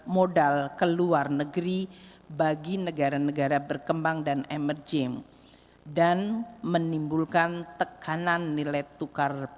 modal ke luar negeri bagi negara negara berkembang dan emerging dan menimbulkan tekanan nilai tukar